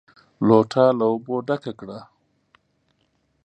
لوټه له اوبو ډکه کړه!